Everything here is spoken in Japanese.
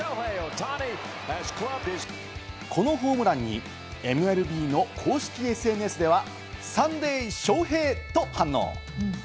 このホームランにＭＬＢの公式ＳＮＳではサンデーショウヘイ！！と反応。